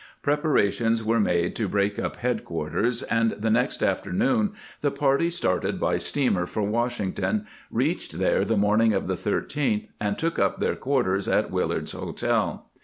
Preparations were made to break up headquarters, and the next afternoon the party started by steamer for Washington, reached there the morning of the 13th, and took up their quarters at Willard's Hotel.